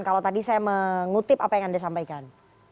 kalau tadi saya mengutip apa yang anda sampaikan